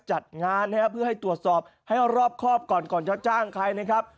จัดงานนะครับเพื่อให้ตรวจสอบให้รอบครอบก่อนก่อนจะจ้างใครนะครับ